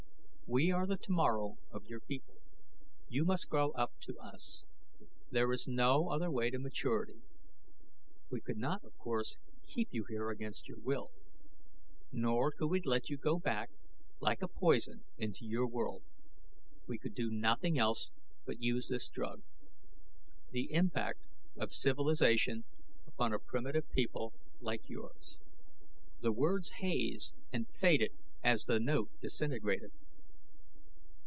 We are the tomorrow of your people; you must grow up to us. There is no other way to maturity. We could not, of course, keep you here against your will. Nor could we let you go back, like a poison, into your world. We could do nothing else but use this drug. The impact of civilization upon a primitive people like yours...." The words hazed and faded as the note disintegrated.